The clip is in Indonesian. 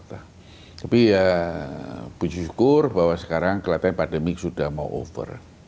tapi ya puji syukur bahwa sekarang kelihatan pandemik sudah mau over